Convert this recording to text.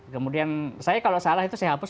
kemudian saya kalau salah itu saya hapus